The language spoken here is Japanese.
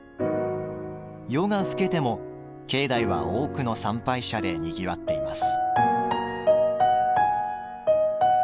夜が更けても境内は多くの参拝者でにぎわっています。